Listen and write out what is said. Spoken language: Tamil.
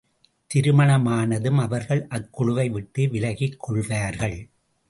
திருமணமானதும், அவர்கள் அக்குழுவை விட்டு விலகிக் கொள்வார்கள்.